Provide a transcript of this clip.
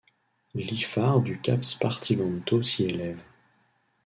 Lee phare du cap Spartivento s'y élève.